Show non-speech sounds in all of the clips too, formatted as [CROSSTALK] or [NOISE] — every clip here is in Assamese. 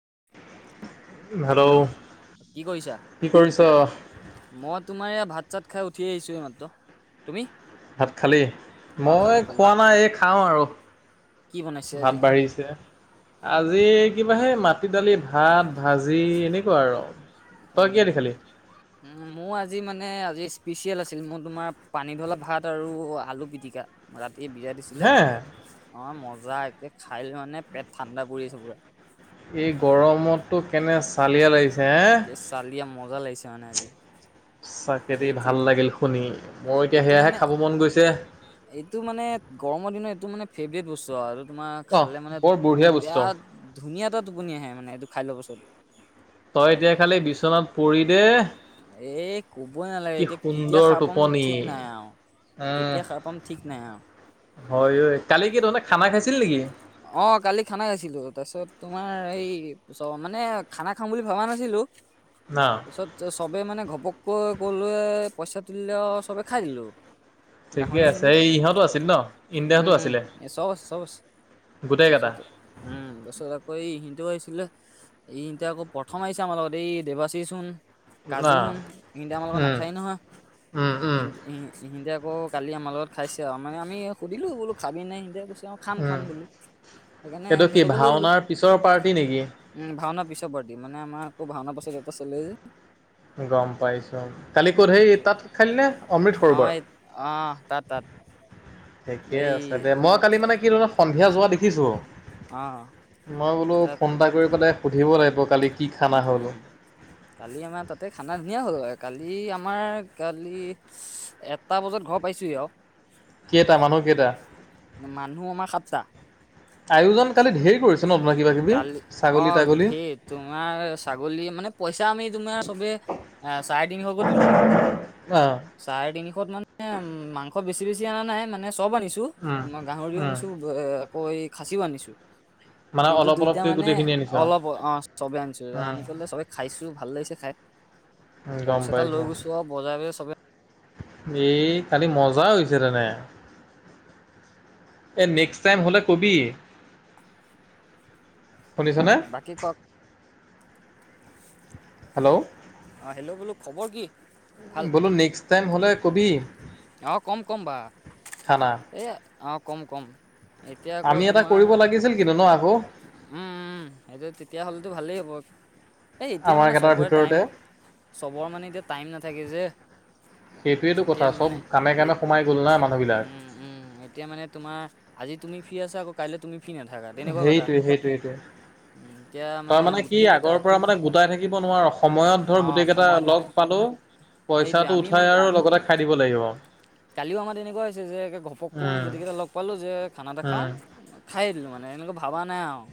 [INAUDIBLE] হেল্ল' কি কৰিছা? কি কৰিছ মই তোমাৰ এইয়া ভাত ভাত- চাত খাই উঠি আহিছো এইমাত্ৰ। ভাত খালি? খালো মই খালো। খোৱা নাই, এই খাওঁ আৰু। কি বনাইছে ভাত আজি? বাঢ়িছে। আজি এই কিবা সেই মাটি-দালি, ভাত, ভাজি এনেকুৱা আৰু। তই কিহেদি উম, খালি? উম মোৰ আজি মানে আজি স্পিচিয়েল আছিল মোৰ তোমাৰ পানীধলা ভাত আৰু আলু পিটিকা ৰাত এ বিয়েৰ দিছিলে। হে অ মজা একে খাই লই মানে পেট ঠাণ্ডা পৰি আছে পুৰা। এই গৰম'টো কেনে চালিয়া লাগি হে! একে চালিয়া মজা লাগিছে মানে আজি। সচাকে দে ভাল সেইটোৱে লাগিল শুনি। মোৰ এতিয়া এইটো সেয়াহে মানে খাব মন গৈছে। এইটো মানে গৰমৰ দিনত এইটো মানে ফেভৰেট বস্তু আৰু। তোমাৰ অহ খালে মানে বৰ বঢ়িয়া বস্তু বেয়া ধুনীয়া এটা টোপনি আহে মানে এইটো খাই লোৱা পাছত তই এতিয়া খালি বিচনাত পৰি দে এ কবই নালাগে কি এতিয়া কেতিয়া সুন্দৰ সাৰ পাম টোপনি। ঠিক নাই আৰু উম কেতিয়া সাৰ পাম ঠিক নাই আৰু হয় অই কালি কি তহঁতে খানা খাইছিল নেকি অঁ কালি খানা খাইছিলো তাৰপিছত তোমাৰ এই মানে খানা খাম বুলি ভবা নাছিলো না তাৰপিছত চবে মানে ঘপ পককৈ ক'লোৱে পইচা তুলিলে আৰু চবে খাই দিলো ঠিকে গাহৰি আছে আনিলো এই ইহঁতো আছিল ন ইণ্ডাহতো আছিলে গোটেই কেইটা তাৰছত উম তাৰপিছত আকৌ ইহঁতৰ ছিলে এই এতিয়া আকৌ প্ৰথম আহিছে আমাৰ লগত এই দেৱাশীছ হোত কাজু না সুণ ইহঁতে আমাৰ লগত উম নাখায় নহয় উম উম ইহতে আকৌ কালি আমাৰ লগত খাইছে আৰু মানে আমি সুধিলো বোলো খাবি নাই সিদে কৈছে আৰু খাম খাম উম বোলে এইটো কি ভাওনাৰ পিছৰ পাৰ্টি নেকি উম ভাওনা পিছৰ পাৰ্টি মানে আমাৰ আকৌ ভাওনা পাছত এটা চলে যে গম পাইছোঁ কালি ক'ত হেৰি সেইটো তাত খালি নে অমৃত সৰোবৰ অ' এই অ' তাত তাত ঠিকে এই আছে দে মই এ- কালি এ- মানে কি তহঁতক সন্ধিয়া যোৱা দেখিছো অ' মই বোলো তাত ফোন এটা কৰি পেলাই। সুধিব লাগিব কালি কি খানা উম হ'ল। উম কালি আমাৰ তাতে খানা ধুনীয়া হ'ল কালি আমাৰ কালি এটা বজাত ঘৰ পাইছোহি আৰু কেইটা মানুহ কেইটা। মানুহ আমাৰ সাতটা আয়োজন কালি ধেৰ কৰিছে ন তোমাৰ কিবা কিবি ছাগলী তাগলী হেই তোমাৰ ছাগলী মানে পইচা আমি তোমাৰ চবে চাৰে তিনিশকৈ তুলিলো। অ চাৰেদনি। মানে উম মাংস বেছি বেছি অনা নাই মানে চব আনিছো উম তোমাৰ গাহৰিও উম আনিছো এ। ক খাচিও আনিছো মানে কিন্তু অলপ দুইটা অলপকৈ মানে গোটেইখিনি আনিছে আৰু অলপ অ চবে আনিছো আনি উম পেলালে চবে খাইছো ভাল লাগিছে খাই উম, গম বক্স এটা লৈ পাইছোঁ। গৈছো আৰু বজাই ব চবে এই খালি মজা হৈছে তেনে এ নেক্সট টাইম হলে কবি। শুনিছনে বাকী খোৱা হেল্ল' অ' হেল্ল' বোলো খবৰ কি ভাল বলো নেক্সট টাইম হলে কবি অ কম কম বা খানা। এই অ কম কম এতিয়া আকৌ আমি এটা তোমাৰ কৰিব লাগিছিল কিন্তু ন আকৌ উম সেইটো তেতিয়া হ'লেতো ভালেই হ'ব। এ এতিয়া আমাৰ মানে কেইটাৰ চবৰে টাইম ভিতৰতে। চবৰে মানে এতিয়া টাইম নাথাকে যে। সেইটোয়েতটো এতিয়া কথা চব মানে কামে এই কামে সোমাই গ'লো ন উম উম এতিয়া মানে তোমাৰ আজি তুমি ফি আছা আকৌ কাইলে তুমি ফি নাথাকা তেনেকুৱা কথা। সেই সেইটোোৱেইটোে। উম, এতিয়া তই মানে কি গোটেইকেইটা আগৰ পৰা মানে গোটাই থাকিব নোৱাৰ সময়ত ধৰ অ' গোটেই কেইটা সময়ত লগ মানে পালো। সেইটোৱে পইচাটো আমি উঠাই মানে আৰু লগতে খাই দিব লাগিব। কালিও আমাৰ এনেকুৱা হৈছে যে ঘপকমি উম, গতিকেইটা লগ পালো যে খানা এটা উম। খাওঁ খাই দিলো মানে এনেকা ভাবা নাই আৰু।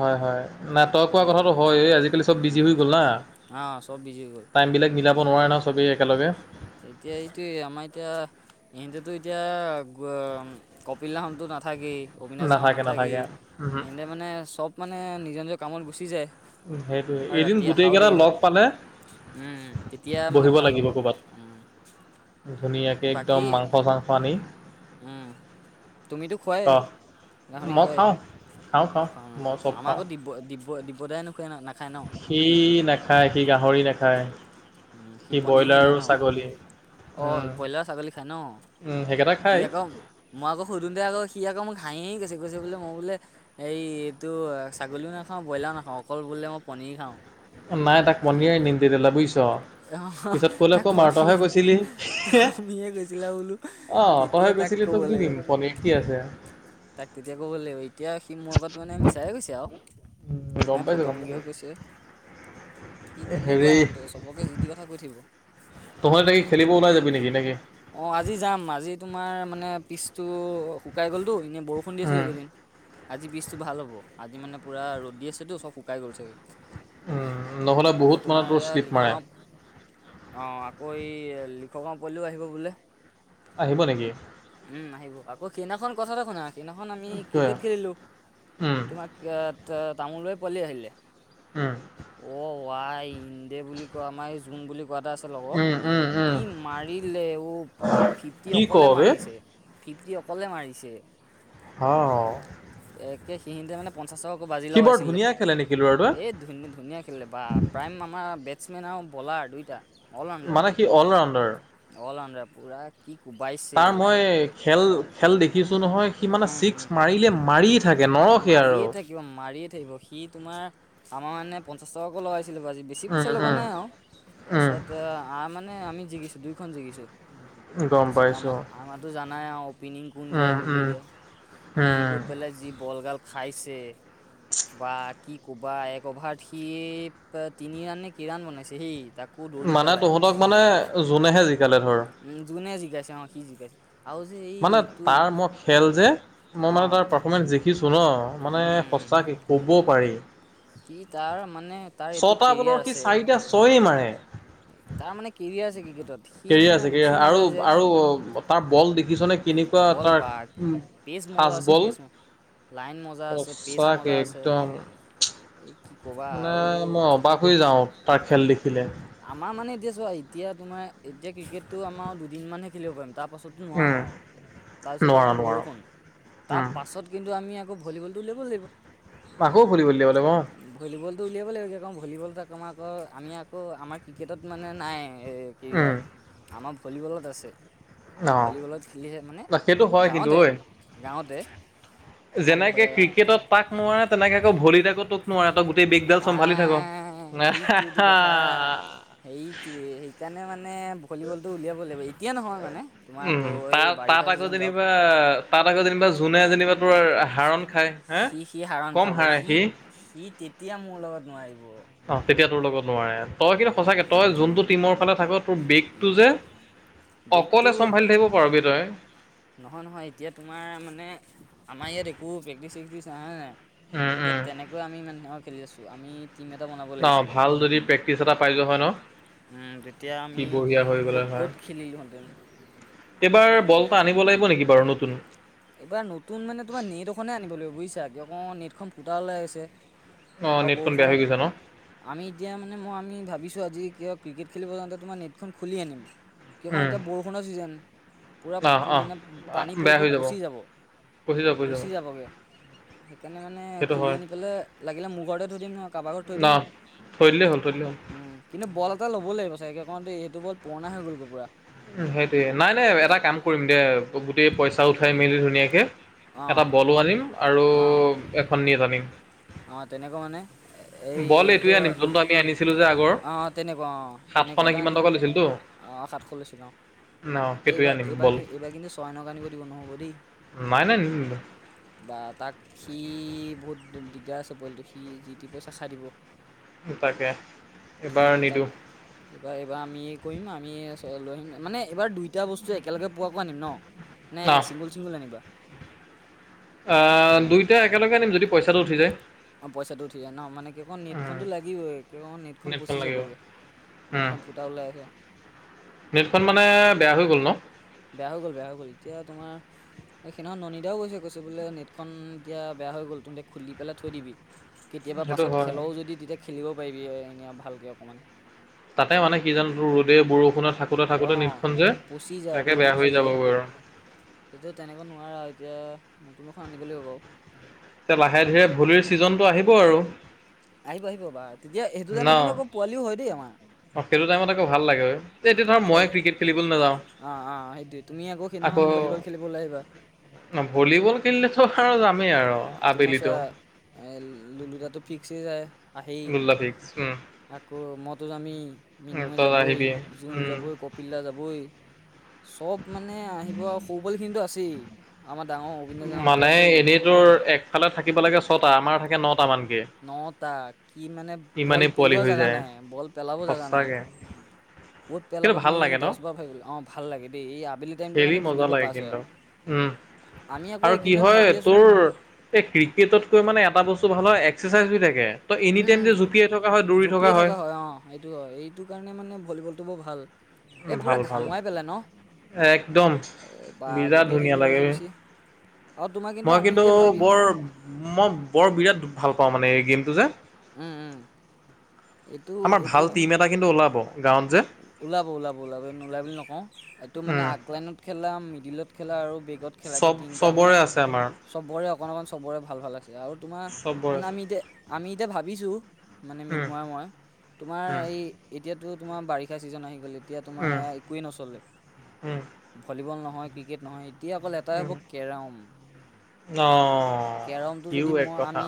হয় হয় নাটক হোৱা হেৰি কথাটো হয় আজিকালি চব বিজি উম, হৈ গ'ল না। অ 'সব বিজি হৈ গ'ল টাইমবিলাক মিলাব নোৱাৰে ন চব এক। এতিয়া এইটোয় আমাৰ এতিয়া ইতো এতিয়া কপিল লাহনটো নাথাকেই অবিনাশ যাওঁ নাথাকে নাথাকি নাথাকে উমহু। এনেতে মানে চব মানে নিজৰ নিজৰ কামত গুচি যায় উ সেইটোয়ে আৰু এদিন ৰাতি গোটেই অহাও কেইটা দেৰি হয়। লগ পালে উম, তেতিয়া মানে বহিব ভাল হ'ব। লাগিব ক উম। ধুনীয়াকৈ বাকী একদম মাংস চাংস আনি। উম। তুমিতো খুৱাই অহ গাহৰি মই খুৱাই খাওঁ খাওঁ খাওঁ খুৱ ন মই চব খাওঁ আমাকো দিব দ [INAUDIBLE] সি নাখায় সি গাহৰি নাখায়। সি পনীৰহে ব্ৰইলাৰ আৰু খায় ন ছাগলী অঁ উম, ব্ৰইলাৰ ছাগলী খায় উম, ন' সেইকেইটা খায় সি আকৌ মই আকৌ সুধোটে টে আকৌ সি আকৌ মোক হাঁহ কৈছে কৈছে বোলে মই বোলে এইটো ছাগলীও নাখাওঁ, ব্ৰইলাৰ নাখাওঁ, অকল বোলে মই পণী পণীৰ খাওঁ। নাই তাক বনিয়াই নি দি দিলে বুইছ আহ তাক পণীয়ে কৈছিলি তুমিয়ে কৈছিলা বোলোঁ ঠিক অ তই তেতিয়া তাক কৈছিলি ক'ব তোক দি লাগিব, দিম পনীৰ কি আছে তাক তেতিয়া ক'ব লাগিব এতিয়া এতিয়া সি মোৰ আগত মানে মিছাইে কৈছে আৰু উম গম নাই পাইছো গম ফটোআমি পাইছো কৈ কৈছে। সি তেনেকুৱা হেৰি মানুহটো চবকে যি টি কথা কৈ থাকিব। তহঁতে এতিয়া খেলিব ওলাই যাবি নেকি নেকি? আমাৰ মানে পিছতটো শুকাই গ'লতো এনেই বৰষুণ দি আছিল উম এই কেইদিন আজি পিছটো ভাল হ'ব, আজি মানে পূৰা ৰ'দ দি আছেতো চ'ব শুকাই গ'ল চাগৈ। উম, নহ'লে বহুত মানে তোৰ শ্লিপ মাৰে। অ', আকৌ এই লিখগাওঁ পোৱালিয়ো আহিব বোলে? আহিব নেকি? উম, আহিব আকৌ সিদিনাখন কথাটো শুনা, সিদিনাখন আমি কিয় ক্ৰিকেট খেলিলোঁ, উম তোমাক আ তো তামোলৰে পোৱালি আহিলে। উম। ওৱাই ইনন্দে বুলি কয় আমাৰ এই জোন বুলি এনেকুৱা এটা আছে লগৰ উম সি উম উম কি মাৰিলে অ' বা ফিফটি কি ক অকলে বে মাৰিছে। ফিফটি অকলে মাৰিছে। হ, অ'। একে, সিঁহিতে মানে প [UNINTELLIGIBLE] বাজি লগাইছিলে, ধুনীয়া খেলে নেকি ল'ৰাটোৱে এই ধুন-ধুনীয়া খেলিলে বা প্ৰাইম আমাৰ বে বেটছমেন আৰু বলাৰ দুইটা অল ৰাউণ্ডাৰ মানে কি অলৰাউণ্ডাৰ? পুৰা কি কোবাইছে তাৰ মই আৰু খেল, খেল দেখিছোঁ নহয়, সি মানে ছিক্স মাৰিলে, মাৰিয়ে থাকে ন মাৰিয়ে থাকিব, মাৰিয়ে থাকিব সি তোমাৰ আমাৰ মানে পঞ্চাছ টকাকৈ লগাইছিলোঁ বাজি, বেছি উম পইচা লগোৱা উম নাই আৰু উম তাৰপিছতে আম মানে নে, আমি জিকিছোঁ দুইখন জিকিছোঁ। গম পাইছোঁ। নাই আৰু অপিনিং কোন যায় লৈ দে, সি উম, গৈ পেলাই যি বল গাল খাইছে। বা কি ক'বা, এক অভাৰত সি তিনি ৰাণনে, কেই ৰাণ বনাইছে হেই মানে তুহঁতক মানে জোনেহে‌ জিকালে ধৰ। উম যোনে জিকাইছে অ সি জিকাই মানে তাৰ মই খেল যে, মই অ মানে তাৰ পাৰফমেঞ্চ দেখি চো, ন' মানে সঁচাকে ক'ব পাৰি। কি তাৰ মানে, তাৰ এইটোত ছটা বলৰ কেৰিয়াৰ সি চাৰিটা ছয়েই আছে মাৰে। তাৰ মানে কেৰিয়াৰ আছে ক্ৰিকেটত। সি কেৰিয়াৰ মানে আছে কেৰিয়াৰ উঠি আৰু নাযায় যে আৰু তাৰ বল দেখিছনে কেনেকুৱা বল তাৰ বা, পেছ মজা ফাষ্ট আছে বল পেচ ম লাইন মজা আছে, পেচ সঁচাকে মজা আছে। একদম এই কি ক'বা মানে আৰু মই অবাস হৈ যাওঁ। তাৰ খেল দেখি। আমাৰ মানে এতিয়া চোৱা এতিয়া তোমাৰ এতিয়া ক্ৰিকেটটো আমাৰ দুদিন মানহে খেলিব পাৰিম তাৰপাছতো নোৱাৰোঁ উম, আৰু। তাৰপিছত কি নোৱাৰো কওঁ নোৱাৰো বৰষুণ। তাৰ উম, পাছত কিন্তু আমি আকৌ ভলীবলটো উলিয়াব লাগিব। আকৌ ফৰিব দিবলে অ', ভলীবলটো উলিয়াব লাগিব যেকৌ ভলীবলত আকমাৰ আক আমি আকৌ আমাৰ ক্ৰিকেটত মানে নাই। এই কি উম, আমাৰ ভলীবলত আছে। আমি অ', ভলীবলত খেলিহে মানে সেইটো হয় কিন্তু ঐ। গাঁৱতে-গাঁৱতে। যেনেকে ক্ৰিকেটত তাক নোৱাৰে তেনেকে আকৌ ভলিটাকো তটোক নোৱাৰে এটা। বিগডাল চম্ভালি থাকো। এইটোটো কথা সেইটোয়ে সেইকাৰণে মানে। ভলীবলটো উলিয়াব লাগিব এতিয়া নহয় মানে তোমাৰ উম ব এই বাৰিষা ছিজন যাওক ত আকৌ যেনিবা জোনে যেনিবা তোৰ হাৰণ খায়। হে সি সি সাৰন কম খাব হাৰে সি সি তেতিয়া মোৰ লগত নোৱাৰিব অ' তেতিয়া তোৰ লগত নোৱাৰে তই কিন্তু অঁ সঁচাকে তই যোনটো টিমৰ ফালে থাকত। তোৰ বেগটো উম যে অকলে চম্ভালি থাকিব পাৰবি তই। নহয়-নহয় এতিয়া তোমাৰ মানে আমাৰ ইয়াত একো প্ৰেক্টিচ চেক্টিছ হয়। উম এতিয়া উম তেনেকুৱা আমি মানে খেলি আছো আমি টিম এটা বনাব অ, ' লাগিছিলে ভাল যদি প্ৰেক্টিচ এটা পাই যোৱা হয় ন। তেতিয়া কি আমি বঢ়িয়া হৈ গ'লে ক'ত হয় ক'ত খেলিলোঁহেঁতেন এইবাৰ বল এটা আনিব লাগিব নেকি বাৰু নতুন? এইবাৰ নতুন মানে তোমাৰ নেট এখনে আনিব লাগিব বুজিছা কি অক নেটখন ফুটা ওলাই আছে। অ আৰু নেটখন বেয়া হৈ বৰষুণত গৈছে ন আমি এতিয়া মানে মই আমি ভাবিছো আজি কিয়? ক্ৰিকেট খেলিব যাওঁতে তোমাৰেট খুলি আনিম। কি কণ উম এতিয়া বৰষুণৰ ছিজন পূৰা অহ অহ মানে পানী পৰি। পচি যাব। পঢ়ি যাব পঢ়ি যাব। পচি যাবগৈ। সেইকাৰণে মানে সেইটো খুলি হয় আনি পেলাই লাগিলে মোৰ ঘৰতে থৈ দিম নহয় কাৰোবাৰ ঘৰত থৈ ন দিম। থৈ দিলেই হ'ল থৈ দিলেই হ'ল উম কিন্তু বল এটা ল'ব লাগিব চাগে কণতে এইটো বল পুৰণা হৈ গ'ল গ পুৰা। উ সেইটো নাই নাই এটা কাম কৰিম দে গোটেই পইচা উঠাই মেলি ধুনীয়াকে এটা অঁ বলো আনিম আৰু এখন নজ আনিম। অ', তেনেকুৱা মানে। এই বল এইটোয়ে এইটো আনিম যোনটো আমি আনিছিলো যে আগৰ অঁ সাতশ নে কিমান টকা লৈছিলতো। অ', সাত খ লছিল গাও। ন এই সেইটোৱে এইবাৰ আনিম এইবাৰ বল এইবাৰ কিন্তু ছয় নকা আনিব দিব নহ'ব দেই। নাই নাই নিনিলো বা তাক সি বহুত দিগদাৰ আছে পিতটো সি যি টি পইচা খাই দিব। তাকে এবাৰ নিদিওঁ। বা এইবাৰ আমি কৰিম আমি লৈ আহিম মানে এইবাৰ দুইটা বস্তু একেলগে পোৱাকৈ আনিম ন? ন নাই চিংগল-চিংগল আনিবা? আহ দুইটা একেলগে আনিম যদি পইচাটো উঠি যায়। অ, ' পইচাটো উঠি যায় ন মানে কি নেটখননো লাগিব নেটখন পচি যাবগে। নেটখন পতও ল আছে। মিননেটখন মানে বেয়া হৈ গ'ল ন। বেয়া হৈ গ'ল বেয়া হৈ গ'ল এতিয়া তোমাৰ এই সেইদিনাখন নন্দীদাও কৈছে কৈছে বোলে নেটখন এতিয়া বেয়া হৈ গ'ল তুতে খুলি পেলাই থৈ দিবি। কেতিয়াবা সেইটো পাছত হয় খেলও যদি তেতিয়া খেলিব পাৰিবি এনে ভালকে অকমান। তাতে মানে কি জানো তোৰ ৰ'দে বৰষুণত থাকোঁতে আৰু থাকোঁতে অ'। নিদখন যে পচি যায় তাকে পুৰা বেয়া হৈ পচি যায় যাবগৈ আৰু এতিয়া তেনেকা নোৱাৰা এতিয়া নতুন এখন আনিব লাগ হিবব বু এতিয়া লাহে ধীৰে ভলিৰ ছিজনটো আহিব আৰু। আহিব-আহিব বা তেতিয়া সেইটো ন টাইমত কিন্তু অকৌ পোৱালিও হয় দেই আমাৰ। অ', সেইটো টাইমত আকৌ ভাল লাগে হয় এইতিয়া ধৰ মই ক্ৰিকেট খেলিবলৈ নাযাওঁ। অ-অ', সেইটোৱে তুমি আকৌ সেইদিনাখন ভলীবল খেলিব ওলাই আহিবা। ন ভলীবল খেলিলে, তোমাৰ চোৱা এ, লুলুকা টো ফিক্স যায় আহি। দুল্লা ফিক্স আকৌ মই টো জামেই মৃন্মই তই যাবই, আহিবি জোন উম যাবই, কপিল্লা যাবই সব মানে আহিব। আৰু সৰু পোৱালিক খিনিটো আছেই ডাঙৰ অভিনয় জন হতটো মানে আছেই। এনেই তোৰ একফালে থাকিব লাগে ছটা। আমাৰ থাকে নটামান। নটা কি মানে বল ইমানেই পোৱালি পেলোৱা হৈ জোগা যায় নাই। বল পেলাব জাগা নাই। সঁচাকে ক'ত কিন্তু পেলাবা ভাল তুমি লাগে ন দহ বাৰ ভাবি লগে। অ' ভাল লাগে দেই। এই আবেলি টাইমতটো খেলি মানে মজা ধুনাকৈ লাগে পাছ হয় কিন্তু আৰু। উম। আমি আকৌ আৰু কি এইকেইদিনত হয় ভাবি আছোঁ তোৰ, এই ক্ৰিকেটতকৈ মানে এটা বস্তু ভাল হয় এক্সাৰচাইজ হৈ থাকে। তই এনি উম, টাইম যে জঁপিয়াই থকা হয় দৌৰি জঁপিয়াই থকা হয় অ' সটো হয়। এইটো কাৰণে মানে ভলীবলটো বৰ ভাল। এ পুৰা ভাল ভাল ঘামুৱাই পেলায় ন একদম। বা বিৰাট জঁপিয়াই থাকিব ধুনীয়া লাগে। যে বেছি। আৰু তোমাৰ মই আমি কিন্তু এতিয়া ভাবি বৰ মই বৰ বিৰাট ভাল পাওঁ মানে এই গেমটো যে উম, উম। এইটো আমাৰ ভাল এইটো টিম এটা কিন্তু ওলাব গাওঁত। ওলাব ওলাব ওলাব নোলাই বুলি নকওঁ। এইটো মানে উম আগলাইনত খেলা, মিডিলত খেলা আৰু বেগত খেলা এই চব তিনিটা মানে চবৰে আছে আমাৰ চবৰে অকন অকন চবৰে ভাল ভাল আছে। আৰু তোমাৰ চবৰে মানে আমি এতিয়া আমি এতিয়া ভাবিছোঁ। মানে উম মৃন্ময় আৰু মই। তোমাৰ উম এই এতিয়াতো তোমাৰ বাৰিষা চিজন আহি গ'ল এতিয়া তোমাৰ উম এয়াৰ একোৱেই নচলে উম ভলীবল নহয়, ক্ৰিকেট নহয় এতিয়া অকল এটাই উম হ'ব কেৰম। অ' ইউ এক কথা।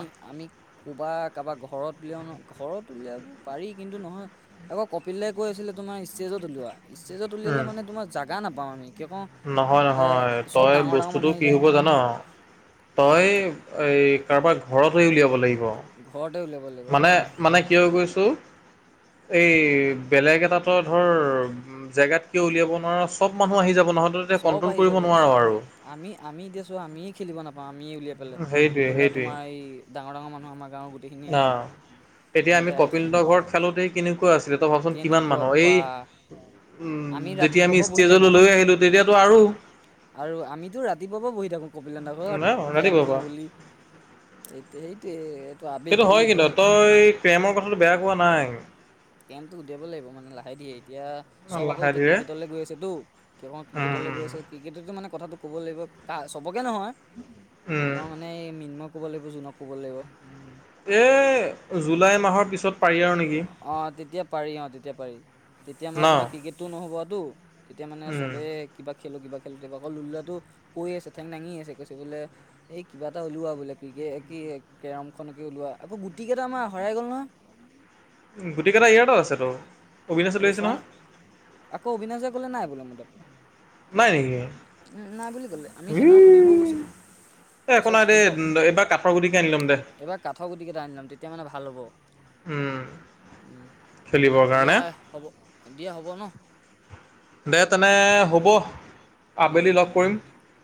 কোৱা কাবাক ঘৰত উলিয়ও ন ঘৰত উলিয়াব পাৰি। কিন্তু, নহয় আকৌ কপিল কৈ আছিলে তোমাৰ ষ্টেজত উলিওৱা ষ্টেজত উলিয়ালে উম মানে তোমাৰ জাগা নাপাওঁ আমি। কিয় কওঁ নহয়, এ নহয় চব তই ডাঙৰ ডাঙৰ বস্তুটো মানুহ আহি কি যায় হ'ব জানোঁ তই এই কাৰোবাৰ ঘৰত গৈ উলিয়াব লাগিব। ঘৰত মানে মানে কিয় গৈছোঁ? এই বেলেগ এটা তোৰ ধৰ জেগাত কিয় উলিয়াব নোৱাৰা চ'ব মানুহ আহি যাব। নহয় তই তেতিয়া চ'ব কণ্ট্ৰল আহি কৰিব যাব। নোৱাৰ আৰু আমি আমি এতিয়া চোৱা আমি খেলিব নাপাওঁ। আমিয়ে উলিয়াই পেলাই সেইটোৱে ধৰি লোৱা সেইটোৱে তোমাৰ এই ডাঙৰ ডাঙৰ মানুহ আমাৰ গাঁৱৰ গোটেইখিনি আহিব। তেতিয়া আমি সিহঁতে কপিল হঁতৰ ঘৰত খেলোতেই কেনেকুৱা আছিলে তই ভাবচোন কিমান কেনেকুৱা মানুহ বা এই উম, আমি যেতিয়া ৰাতিপুৱাৰ আমি পৰা বহি ষ্টেজ থাকোঁ লৈয় আহিলোঁ তেতিয়াতো আৰু আৰু আমিতো ৰাতিপুৱা পৰা বহি থাকোঁ। এই বোলে নগদ কেৰম ৰাতিপুৱাৰ খেলোঁ পৰা বুলি এইটে এইটে সেইটো হয় কিন্তু তই কেমৰ কথাটো বেয়া কোৱা নাই। কেমটো উলিয়াব লাগিব মানে লাহে ধীৰে। এতিয়া চব আকৌ লাহে এতিয়া ধীৰে ক্ৰিকেটলৈ গৈ আছেটো কি হ' উম, ক্ৰিকেটলৈ গৈ উম, আছে ক্ৰিকেটতো মানে কথাটো ক'ব লাগিব কা চবকে নহয় উম, তোমাৰ মানে এই মৃন্ময় ক'ব লাগিব, জনক ক'ব লাগিব। এ জুলাই মাহৰ পিছত পাৰি আৰু নেকি অ', তেতিয়া পাৰি অ', তেতিয়া পাৰি তেতিয়া ন? মানে তোমাৰ ক্ৰিকেটটো নহ'বতো। তেতিয়া মানে উম, সবে কিবা খেলোঁ কিবা খেলোতে আকৌ ল'ৰাটো কৈ আছে ঠেং দাঙি আছে কৈছে বোলে এই কিবা এটা উলিওৱা বোলে কি কি কি কেৰমখনকে ওলোৱা আকৌ গুটি কেইটা মান হেৰাই গ'ল নহয়। উম, গোটেইকেইটা ইয়াটো আছেতো অবিনাশে লৈ আহিছে ছয় নহয়। নাই নেকি? উম, নাই বুলি ক'লে আমি সেনেও সুধিবও গৈছিলোঁ। এ একো তাৰছত নাই দেই এতিয়া এইবাৰ কাঠৰ গুটিকে আনি ল'ম দে এইবাৰ কাঠৰ গুটি কেইটা আনি লম তেতিয়া মানে ভাল হ'ব। উম। উম, খেলিবৰ কাৰণে দিয়া হ'ব, দিয়া হ'ব ন'? দে তেনে হ'ব। উম - আবেলি উম লগ কৰিম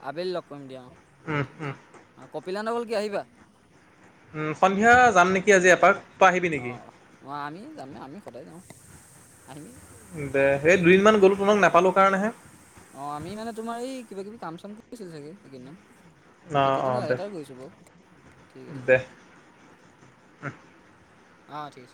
আবেলি লগ পাম দিয়া অ, উম, উম, কপিলা নগল কি আহিবা। উম, সন্ধিয়া যাম নেকি আজি এপাক। তই আহিবি অ, নেকি? নহ আমি যাম নে আমি সদায় যাওঁ। আহিমেই দে সেই দুদিনমান গ'লো তোমাক নাপালো কাৰণেহে। অ, আমি মানে তোমাৰ এই কিবা কিবি কাম চাম কৰিছিলো চাগে সেই কাৰণে। অ', এইকেইদিন অ', দে লগতাৰে গৈছোঁ ও দে। [UNINTELLIGIBLE] অ, ঠিক আছে।